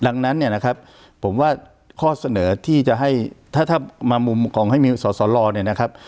ดังนั้นเนี่ยนะครับผมว่าข้อเสนอที่จะให้ถ้าถ้ามามุมของให้มีสอสอรอเนี่ยนะครับ